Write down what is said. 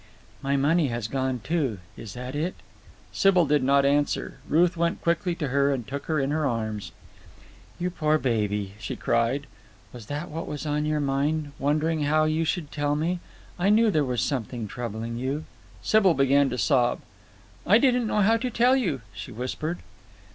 "My money has gone, too? Is that it?" Sybil did not answer. Ruth went quickly to her and took her in her arms. "You poor baby," she cried. "Was that what was on your mind, wondering how you should tell me? I knew there was something troubling you." Sybil began to sob. "I didn't know how to tell you," she whispered.